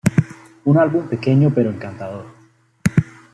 Un álbum pequeño pero encantador.